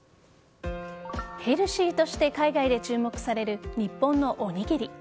ヘルシーとして海外で注目される日本のおにぎり。